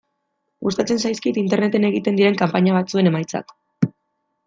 Gustatzen zaizkit Interneten egiten diren kanpaina batzuen emaitzak.